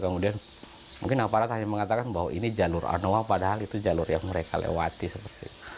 mungkin aparat hanya mengatakan bahwa ini jalur anoa padahal itu jalur yang mereka lewati